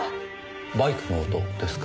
バイクの音ですか？